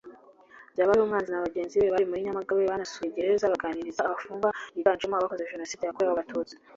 Byabarumwanzi na bagenzi be bari muri Nyamagabe banasuye na Gereza baganiriza abafungwa biganjemo abakoze jenoside yakorewe abatutsi